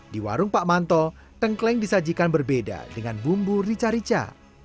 di warung pak manto tengkleng disajikan berbeda dengan bumbu rica rica